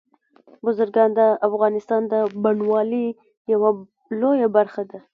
بزګان د افغانستان د بڼوالۍ یوه لویه برخه ده.